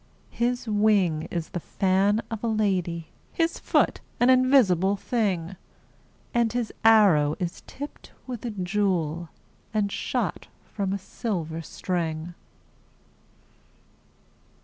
His wing is the fan of a lady, His foot's an invisible thing, And his arrow is tipped with a jewel, And shot from a silver string.